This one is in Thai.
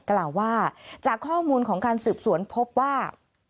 กล่าวว่าจากข้อมูลของการสืบสวนพบว่า